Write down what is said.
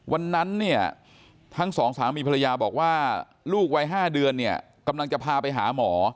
วันนั้นเนี่ยทั้งสองสามีภรรยาบอกว่าลูกวัย๕เดือนเนี่ยกำลังจะพาไปหาหมอ